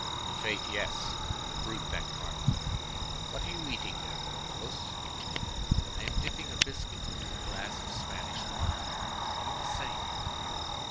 "I'faith, yes! a brute, that cardinal. What are you eating there, Porthos?" "I am dipping a biscuit in a glass of Spanish wine; do the same."